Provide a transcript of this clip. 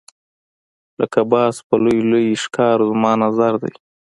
لکه باز په لوی لوی ښکار زما نظر دی.